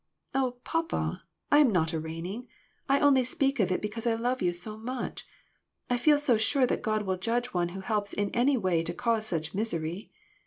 "Oh, papa, I am not arraigning. I only speak of it because I love you so much. I feel so sure that God will judge one who helps in any way to cause such misery.